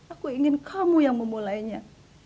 aku ingin kamu yang memulainya